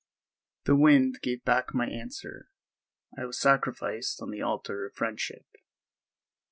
The wind gave back my answer. I was sacrificed on the altar of friendship.